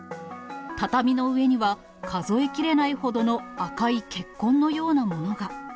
畳の上には、数えきれないほどの赤い血痕のようなものが。